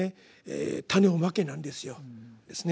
「種を蒔け」なんですよ。